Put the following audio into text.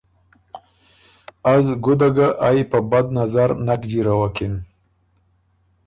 از ګُده ګه ائ په بد نظر نک جېرَوَکِن۔